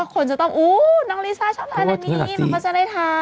เขาจะต้องอู้วน้องลีซ่าชอบนานแบบนี้ก็จะได้ทาน